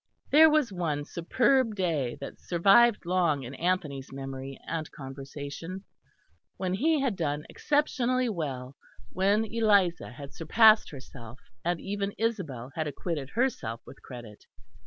There was one superb day that survived long in Anthony's memory and conversation; when he had done exceptionally well, when Eliza had surpassed herself, and even Isabel had acquitted herself with credit.